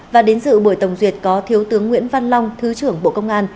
và đến dự buổi tổng duyệt có thiếu tướng nguyễn văn long thứ trưởng bộ công an